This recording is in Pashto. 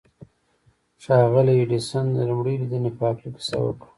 ښاغلي ايډېسن د لومړۍ ليدنې په هکله کيسه وکړه.